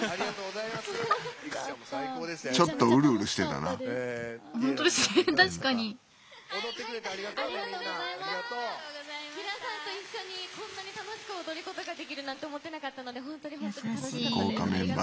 皆さんと一緒にこんなに楽しく踊ることができるなんて思ってなかったので本当に本当に楽しかったです。